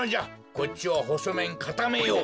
こっちはほそめんかためよう。